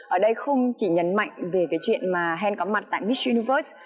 ở đây không chỉ nhấn mạnh về cái chuyện mà hèn có mặt tại miss universe